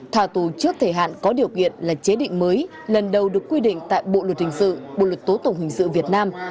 thà tù trước thời hạn có điều kiện là chế định mới lần đầu được quy định tại bộ luật hình sự bộ luật tố tụng hình sự việt nam